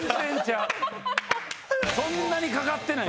そんなかかってない。